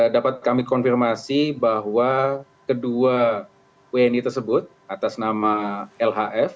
dapat kami konfirmasi bahwa kedua wni tersebut atas nama lhf